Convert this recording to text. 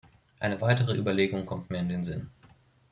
Eine weitere Überlegung kommt mir in den Sinn.